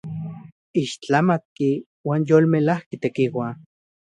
¡Ixtlamatki uan yolmelajki tekiua!